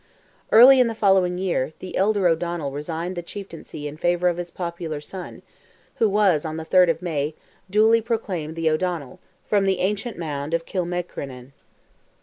Early in the following year, the elder O'Donnell resigned the chieftaincy in favour of his popular son, who was, on the 3rd of May, duly proclaimed the O'Donnell, from the ancient mound of Kilmacrenan.